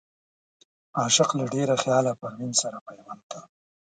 عاشق له ډېره خياله پروين سره پيوند کا